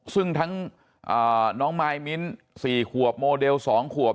ซึ่งทั้งน้องมายมิ้น๔ขวบโมเดล๒ขวบ